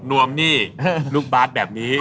นวมหนี้ลูกบาทแบบนี้